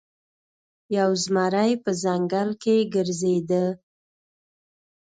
یو زمری په ځنګل کې ګرځیده.